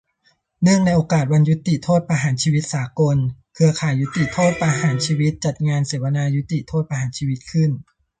เนื่องในโอกาสวันยุติโทษประหารชีวิตสากล เครือข่ายยุติโทษประหารชีวิต จัดงานเสวนายุติโทษประหารชีวิตขึ้น